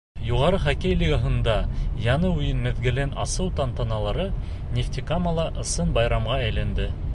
Юғары хоккей лигаһында яңы уйын миҙгелен асыу тантаналары Нефтекамала ысын байрамға әйләнде.